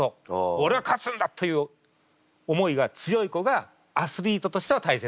俺は勝つんだという思いが強い子がアスリートとしては大成すると思います。